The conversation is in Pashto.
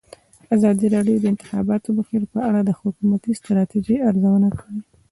ازادي راډیو د د انتخاباتو بهیر په اړه د حکومتي ستراتیژۍ ارزونه کړې.